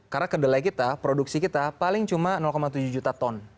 karena kedelai kita produksi kita paling cuma tujuh juta ton